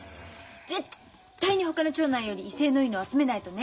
絶対にほかの町内より威勢のいいのを集めないとね。